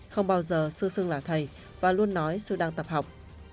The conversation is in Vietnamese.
không bao giờ sơ sưng là thầy và luôn nói sư đang tập học